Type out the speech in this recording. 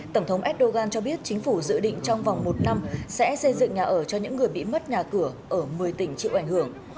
tổng thống erdogan cho biết chính phủ dự định trong vòng một năm sẽ xây dựng nhà ở cho những người bị mất nhà cửa ở một mươi tỉnh chịu ảnh hưởng